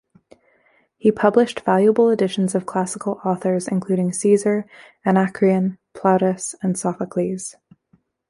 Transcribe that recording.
He published valuable editions of classical authors including Caesar, Anacreon, Plautus, and Sophocles.